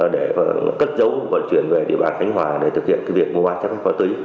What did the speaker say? để cất dấu vận chuyển về địa bàn khánh hòa để thực hiện việc mua ma túy